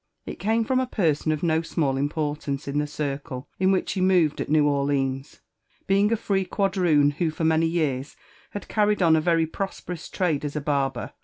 * It came from a person of no small importance in the circle in which he moved at New Orleans, being a free quadroon who for many years bad carried on a very prosperous trade as a barber.